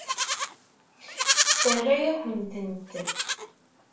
Terra-yakent-tent.